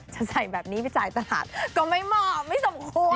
จะใส่แบบนี้ไปจ่ายตลาดก็ไม่เหมาะไม่สมควร